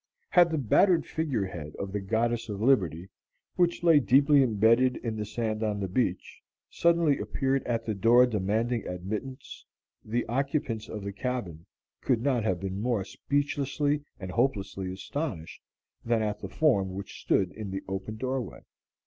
Had the battered figurehead of the Goddess of Liberty, which lay deeply embedded in the sand on the beach, suddenly appeared at the door demanding admittance, the occupants of the cabin could not have been more speechlessly and hopelessly astonished than at the form which stood in the open doorway.